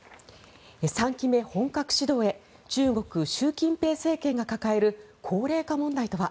３期目本格始動へ中国、習近平政権が抱える高齢化問題とは。